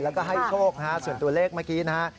แล้วก็ให้โชคนะฮะส่วนตัวเลขเมื่อกี้นะฮะ